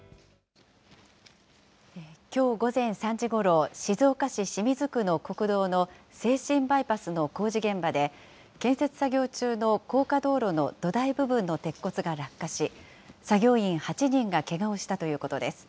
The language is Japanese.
きょう午前３時ごろ、静岡市清水区の国道の静清バイパスの工事現場で、建設作業中の高架道路の土台部分の鉄骨が落下し、作業員８人がけがをしたということです。